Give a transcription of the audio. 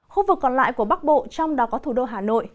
khu vực còn lại của bắc bộ trong đó có thủ đô hà nội